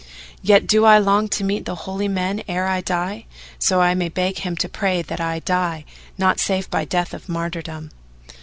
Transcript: Yet do I long to meet the Holy Man ere I die, so I may beg him to pray that I die not save by death of martyrdom."